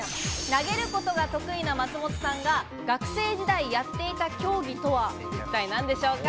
投げることが得意な松本さんが学生時代やっていた競技とは一体何でしょうか？